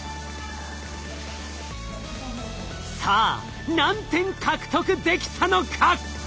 さあ何点獲得できたのか？